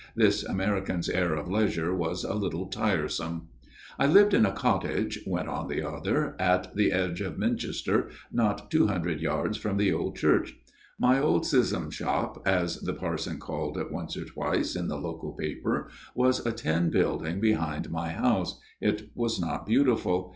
This American's air of leisure was a little tiresome. " I lived in a cottage," went on the other, " at the edge of Minchester, not two hundred yards from the old church. My own schism shop, as the parson called it once or twice in the local paper, was a tin building behind my house it was not beautiful.